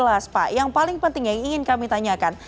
pak yang paling penting yang ingin kami tanyakan